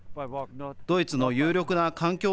ドイツの有力な環境